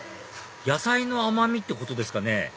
野菜の甘みってことですかね？